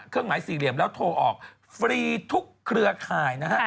เครื่องหมายสี่เหลี่ยมแล้วโทรออกฟรีทุกเครือข่ายนะฮะ